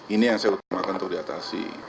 ini yang saya utamakan untuk diatasi